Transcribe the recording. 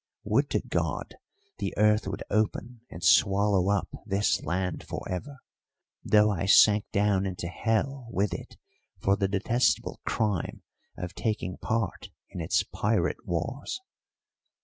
Would to God the earth would open and swallow up this land for ever, though I sank down into hell with it for the detestable crime of taking part in its pirate wars!"